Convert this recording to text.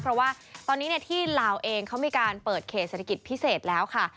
เพราะว่าตอนนี้ที่ลาวเองเขามีการเปิดเขตเศรษฐกิจพิเศษแล้วค่ะ